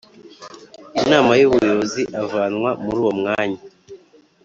Inama y Ubuyobozi avanwa muri uwo mwanya